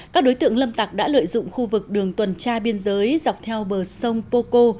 các đối tượng lâm tạc đã lợi dụng khu vực đường tuần tra biên giới dọc theo bờ sông poco